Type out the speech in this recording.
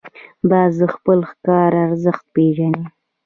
باز د خپل ښکار ارزښت پېژني